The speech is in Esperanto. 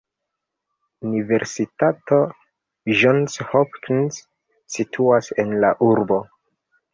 Universitato Johns Hopkins situas en la urbo.